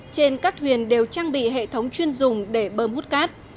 trên các thuyền đều trang bị hệ thống chuyên dùng để bơm hút cát